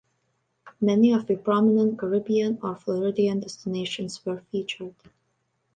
Many of their prominent Caribbean or Floridian destinations were featured.